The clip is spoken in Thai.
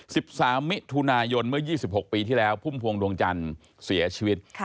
สิบสามมิธุนายนเมื่อ๒๖ปีที่แล้วภูมิภวงดวงจันทร์เสียชีวิต